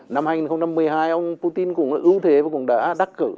năm hai nghìn một mươi hai ông putin cũng là ưu thế và cũng đã đắc cử